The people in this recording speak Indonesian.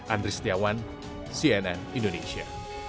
andri setiawan cnn indonesia